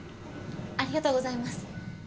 ありがとうございます。